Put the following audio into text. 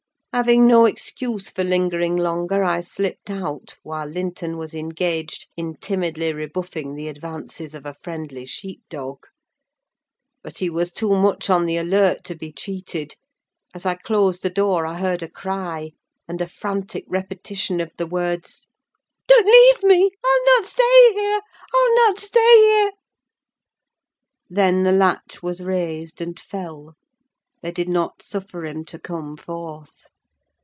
Having no excuse for lingering longer, I slipped out, while Linton was engaged in timidly rebuffing the advances of a friendly sheep dog. But he was too much on the alert to be cheated: as I closed the door, I heard a cry, and a frantic repetition of the words— "Don't leave me! I'll not stay here! I'll not stay here!" Then the latch was raised and fell: they did not suffer him to come forth.